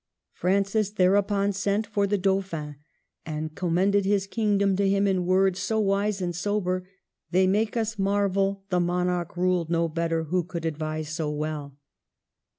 Francis thereupon sent for the Dauphin, and commended his kingdom to him in words so wise and sober they make us marvel the mon arch ruled no better who could advise so well.